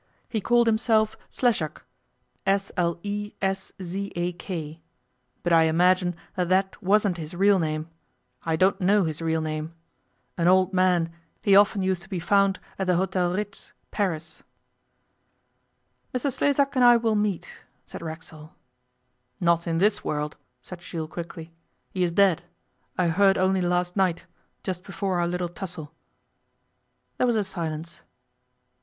He called himself Sleszak S l e s z a k. But I imagine that that wasn't his real name. I don't know his real name. An old man, he often used to be found at the Hôtel Ritz, Paris.' 'Mr Sleszak and I will meet,' said Racksole. 'Not in this world,' said Jules quickly. 'He is dead. I heard only last night just before our little tussle.' There was a silence.